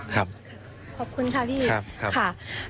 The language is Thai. ขอบคุณค่ะพี่